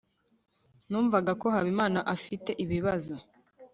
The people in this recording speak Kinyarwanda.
numvaga ko habimana afite ibibazo